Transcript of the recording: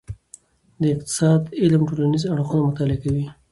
د اقتصاد علم ټولنیز اړخونه مطالعه کوي.